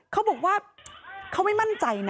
เขาบอกว่าเขาไม่มั่นใจนะ